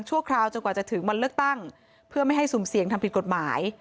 คราวจนกว่าจะถึงวันเลือกตั้งเพื่อไม่ให้สุ่มเสี่ยงทำผิดกฎหมาย